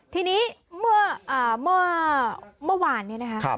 ทีนี้เมื่อวานเนี่ยนะครับ